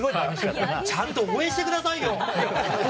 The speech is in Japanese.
ちゃんと応援してくださいよ！